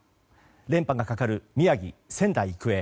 連覇がかかる宮城・仙台育英。